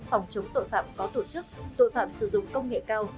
phòng chống tội phạm có tổ chức tội phạm sử dụng công nghệ cao